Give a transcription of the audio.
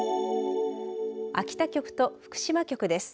秋田局と福島局です。